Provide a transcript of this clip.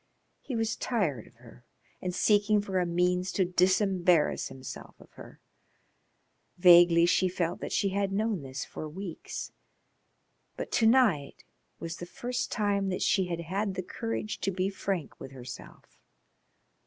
He was tired of her and seeking for a means to disembarrass himself of her. Vaguely she felt that she had known this for weeks, but to night was the first time that she had had courage to be frank with herself.